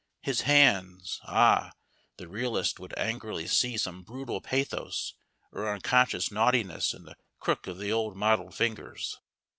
His hands ah, the realist would angrily see some brutal pathos or unconscious naughtiness in the crook of the old mottled fingers.